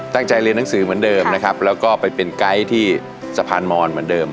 ตั้งใจเรียนหนังสือเหมือนเดิมนะครับแล้วก็ไปเป็นไกด์ที่สะพานมอนเหมือนเดิม